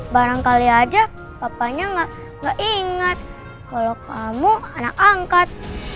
barangkali aja bapaknya gak ingat kalau kamu anak angkat